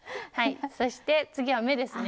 そして次は目ですね。